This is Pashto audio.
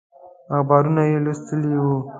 اخبارونه یې لوستي وو.